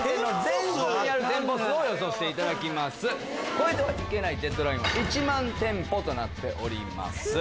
超えてはいけないデッドラインは１万店舗となっております。